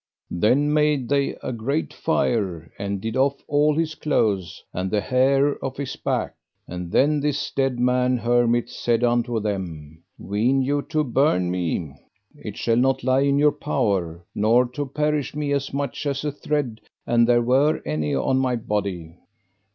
Then made they a great fire, and did off all his clothes, and the hair off his back. And then this dead man hermit said unto them: Ween you to burn me? It shall not lie in your power nor to perish me as much as a thread, an there were any on my body.